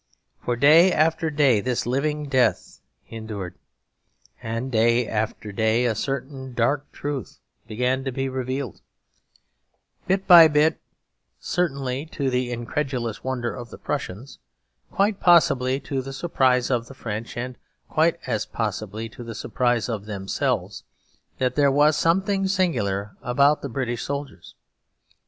For day after day this living death endured. And day after day a certain dark truth began to be revealed, bit by bit, certainly to the incredulous wonder of the Prussians, quite possibly to the surprise of the French, and quite as possibly to the surprise of themselves; that there was something singular about the British soldiers.